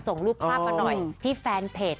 ส่งรูปภาพมาหน่อยที่แฟนเพจ